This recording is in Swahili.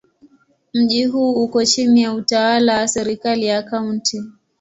Mji huu uko chini ya utawala wa serikali ya Kaunti.